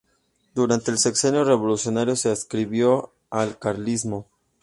Durante el Sexenio Revolucionario se adscribió al carlismo.